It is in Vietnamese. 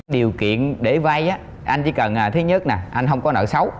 điều kiện để vai á anh chỉ cần thứ nhất nè anh không có nợ xấu